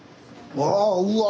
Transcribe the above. わあうわ！